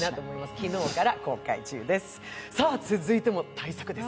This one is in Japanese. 昨日から公開中です。